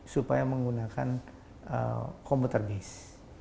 supaya menggunakan computer base